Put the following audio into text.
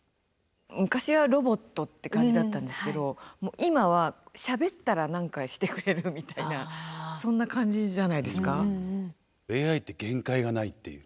昔はロボットって感じだったんですけど今はしゃべったら何かしてくれるみたいなそんな感じじゃないですか？